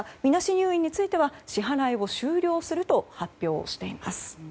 入院については支払いを終了すると発表しています。